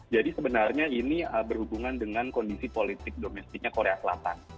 jadi sebenarnya ini berhubungan dengan kondisi politik domestiknya korea selatan